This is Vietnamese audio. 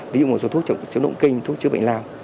ví dụ một số thuốc chống động kinh thuốc chứa bệnh lao